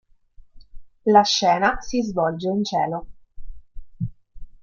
La scena si svolge in cielo.